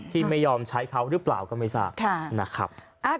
ที่ไม่ยอมใช้เขาหรือเปล่าก็ไม่ทราบนะครับ